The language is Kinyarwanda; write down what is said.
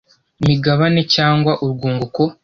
migabane cyangwa urwunguko